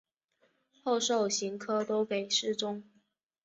后授刑科都给事中。